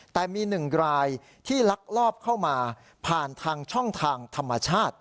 แต่มี๑รายที่ลักลอบเข้ามาผ่านทางช่องทางธรรมชาติ